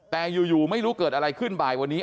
แต่อยู่ไม่รู้เกิดอะไรขึ้นบ่ายวันนี้